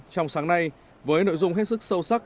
trong sáng nay với nội dung hết sức sâu sắc